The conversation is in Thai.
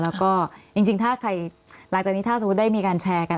แล้วก็จริงถ้าใครหลังจากนี้ถ้าสมมุติได้มีการแชร์กัน